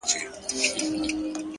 ستادی ؛ستادی؛ ستادی فريادي گلي؛